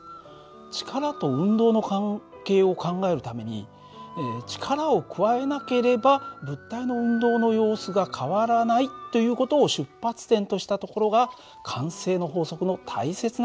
力と運動の関係を考えるために力を加えなければ物体の運動の様子が変わらないという事を出発点としたところが慣性の法則の大切なところなんです。